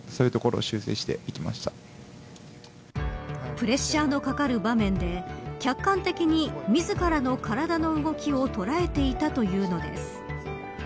プレッシャーのかかる場面で客観的に自らの体の動きを捉えていたというのです。